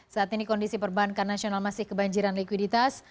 saat ini kondisi perbankan nasional masih kebanjiran likuiditas